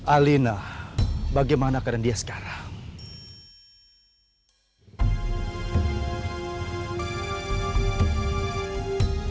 alina bagaimana keadaan dia sekarang